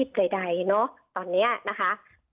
ไม่ว่าจะประกอบอาชีพใดเนอะตอนนี้นะคะ